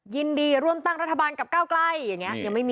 ยินดีร่วมตั้งรัฐบาลกับก้าวไกลอย่างนี้